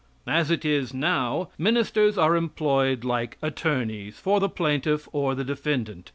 As it is now, ministers are employed like attorneys for the plaintiff or the defendant.